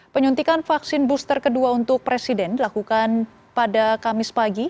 penyuntikan vaksin booster kedua untuk presiden dilakukan pada kamis pagi